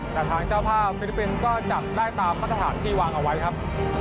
แต่ทางเจ้าภาพฟิลิปปินส์ก็จัดได้ตามมาตรฐานที่วางเอาไว้ครับ